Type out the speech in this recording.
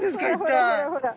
ほらほらほらほら。